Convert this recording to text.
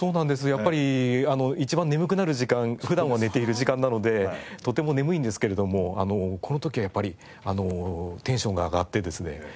やっぱり一番眠くなる時間普段は寝ている時間なのでとても眠いんですけれどもこの時はやっぱりテンションが上がってですね